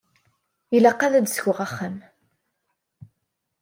Ilaq ad d-skuɣ axxam.